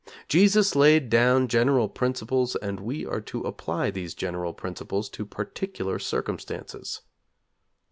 Jesus laid down general principles, and we are to apply these general principles to particular circumstances.